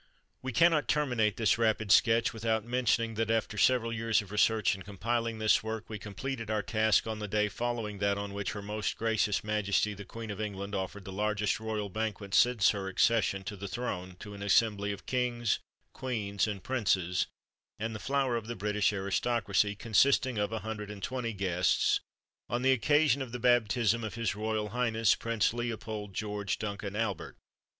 [H] We cannot terminate this rapid sketch, without mentioning that, after several years of research in compiling this work, we completed our task on the day following that on which her Most Gracious Majesty the Queen of England offered the largest royal banquet since her accession to the throne, to an assembly of kings, queens, and princes, and the flower of the British aristocracy, consisting of a hundred and twenty guests, on the occasion of the baptism of his Royal Highness Prince Leopold George Duncan Albert.